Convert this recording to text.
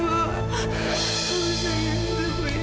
kamu jangan lupa ibu